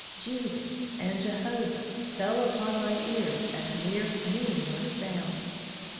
"Jesus" and "Jehovah" fell upon my ears as niere meaningless sounds.